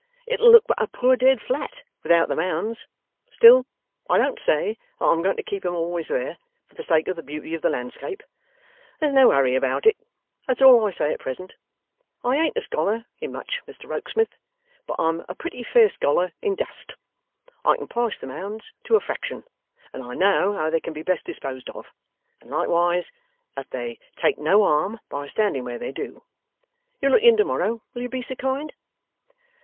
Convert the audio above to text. It'll look but a poor dead flat without the Mounds. Still I don't say that I'm going to keep 'em always there, for the sake of the beauty of the landscape. There's no hurry about it; that's all I say at present. I ain't a scholar in much, Rokesmith, but I'm a pretty fair scholar in dust. I can price the Mounds to a fraction, and I know how they can be best disposed of; and likewise that they take no harm by standing where they do. You'll look in to morrow, will you be so kind?